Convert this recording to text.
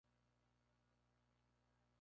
Nació en Belfast y su primera banda fue St.